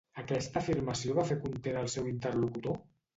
Aquesta afirmació va fer content al seu interlocutor?